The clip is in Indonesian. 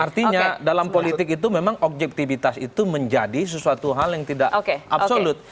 artinya dalam politik itu memang objektivitas itu menjadi sesuatu hal yang tidak absolut